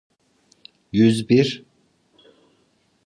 Yüz bir.